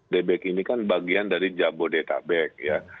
debek ini kan bagian dari jabodetabek ya